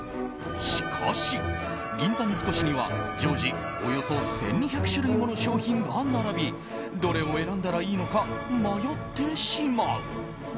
しかし、銀座三越には常時およそ１２００種類もの商品が並びどれを選んだらいいのか迷ってしまう。